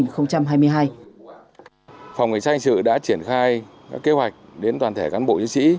phòng cảnh sát hình sự đã triển khai kế hoạch đến toàn thể cán bộ chiến sĩ